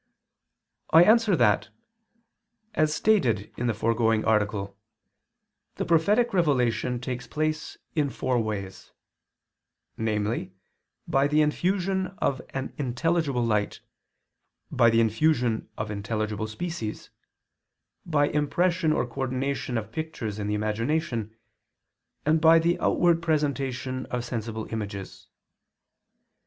I answer that, As stated in the foregoing Article, the prophetic revelation takes place in four ways: namely, by the infusion of an intelligible light, by the infusion of intelligible species, by impression or coordination of pictures in the imagination, and by the outward presentation of sensible images.